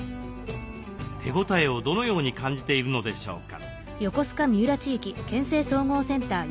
手応えをどのように感じているのでしょうか。